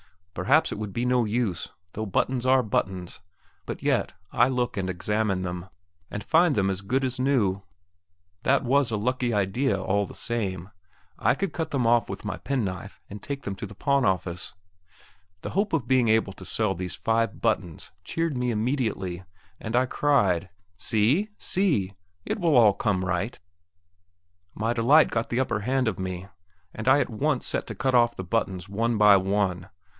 Perhaps it would be no use, though buttons are buttons; but yet, I look and examine them, and find them as good as new that was a lucky idea all the same; I could cut them off with my penknife and take them to the pawn office. The hope of being able to sell these five buttons cheered me immediately, and I cried, "See, see; it will all come right!" My delight got the upper hand of me, and I at once set to cut off the buttons one by one.